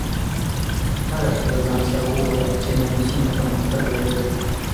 هره شپه له ځان سره وګوره چې نن څومره پرمختګ لرې.